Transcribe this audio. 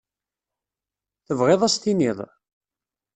Tebɣiḍ ad as-tiniḍ?